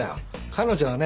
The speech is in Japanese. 彼女はね